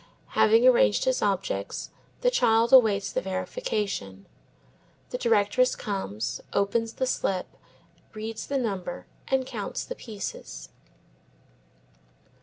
Having arranged his objects, the child awaits the verification. The directress comes, opens the slip, reads the number, and counts the pieces.